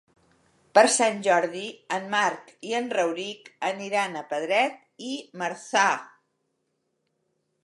Per Sant Jordi en Marc i en Rauric aniran a Pedret i Marzà.